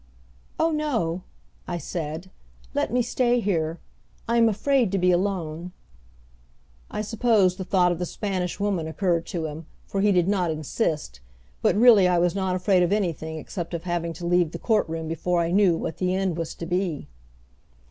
"Oh, no," I said, "let me stay here. I am afraid to be alone." I suppose the thought of the Spanish Woman occurred to him, for he did not insist, but really I was not afraid of anything except of having to leave the court room before I knew what the end was to be.